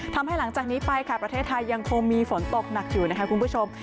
หลังจากนี้ไปค่ะประเทศไทยยังคงมีฝนตกหนักอยู่นะคะคุณผู้ชม